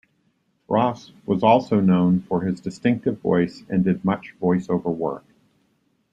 Ross also was known for his distinctive voice and did much voiceover work.